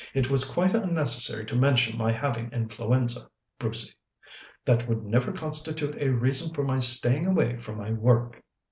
"It was quite unnecessary to mention my having influenza, Brucey. That would never constitute a reason for my staying away from my work."